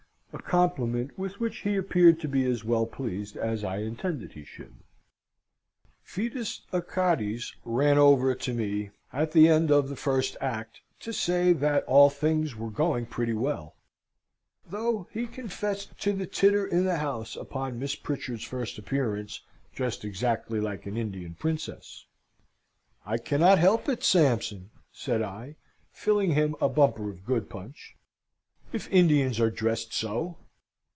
A compliment with which he appeared to be as well pleased as I intended he should. Fidus Achates ran over to me at the end of the first act to say that all things were going pretty well; though he confessed to the titter in the house upon Miss Pritchard's first appearance, dressed exactly like an Indian princess. "I cannot help it, Sampson," said I (filling him a bumper of good punch), "if Indians are dressed so."